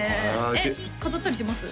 えっ飾ったりします？